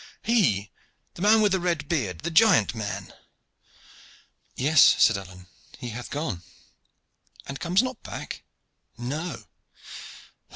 "He, the man with the red head, the giant man." "Yes," said Alleyne, "he hath gone." "And comes not back?" "No."